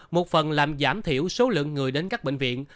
một phần làm giảm thiểu số lượng người đến các bệnh viện